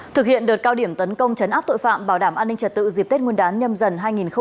thực hiện đợt cao điểm tấn công chấn áp tội phạm bảo đảm an ninh trật tự dịp tết nguyên đán nhâm dần hai nghìn hai mươi bốn